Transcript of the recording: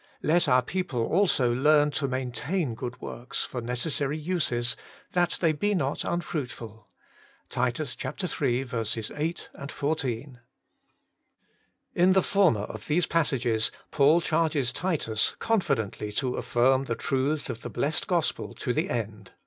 Let our peo ple also learn to maintain good zvorks for neces sary uses, that they be not unfruitful.' — Tit. iii. 8, 14. IN the former of these passages Paul charges Titus confidently to affirm the truths of the blessed Gospel to the end.